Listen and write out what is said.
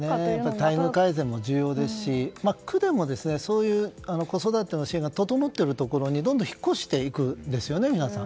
待遇改善も重要ですし区でも、そういう子育て支援が整っているところにどんどん引っ越していくんですよね皆さん。